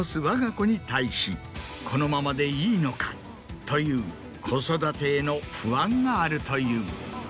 わが子に対しこのままでいいのか？という子育てへの不安があるという。